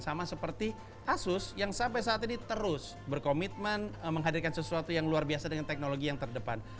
sama seperti kasus yang sampai saat ini terus berkomitmen menghadirkan sesuatu yang luar biasa dengan teknologi yang terdepan